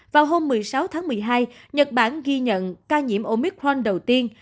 vào hôm một mươi sáu tháng một mươi hai nhật bản ghi nhận ca nhiễm omicron đầu tiên